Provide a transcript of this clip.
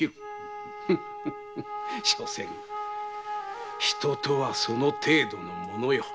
しょせん人とはその程度のものよ。